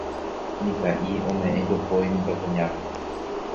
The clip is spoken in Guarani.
Mitã'i ome'ẽ jopói mitãkuñáme.